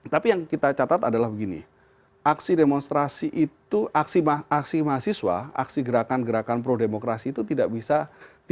tapi yang kita catat adalah begini aksi demonstrasi itu aksi mahasiswa aksi gerakan gerakan pro demokrasi itu tidak bisa dilakukan